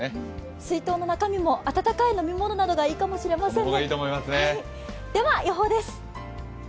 水筒の中身も温かい飲み物がいいかもしれませんね。